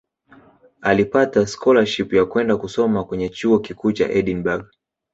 Alipata skolashipu ya kwenda kusoma kwenye Chuo Kikuu cha Edinburgh